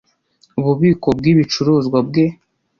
ububiko bw’ibicuruzwa bwe